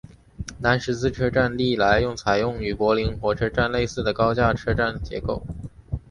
南十字车站历来采用与柏林火车总站类似的高架车站结构。